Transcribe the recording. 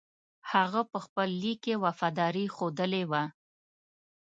هغه په خپل لیک کې وفاداري ښودلې وه.